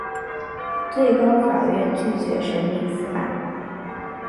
最高法院拒绝审理此案。